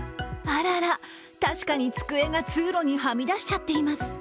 あらら、確かに机が通路にはみ出しちゃっています。